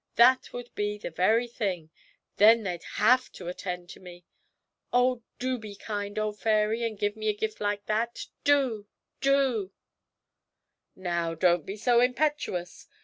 That would be the very thing! Then they'd have to attend to me! Oh, do be a kind old fairy and give me a gift like that do, do!' 'Now, don't be so impetuous!